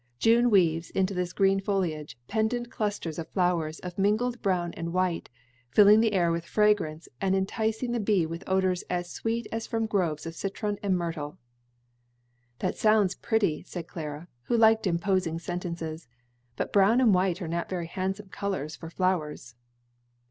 June weaves into this green foliage pendent clusters of flowers of mingled brown and white, filling the air with fragrance and enticing the bee with odors as sweet as from groves of citron and myrtle.'" "That sounds pretty," said Clara, who liked imposing sentences, "but brown and white are not very handsome colors for flowers."